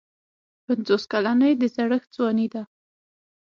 پنځوس کلني د زړښت ځواني ده.